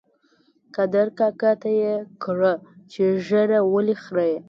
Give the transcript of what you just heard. قادر کاکا ته یې کړه چې ږیره ولې خرېیې؟